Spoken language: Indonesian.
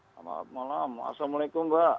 selamat malam assalamualaikum mbak